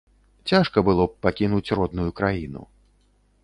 Цяжка было б пакінуць родную краіну.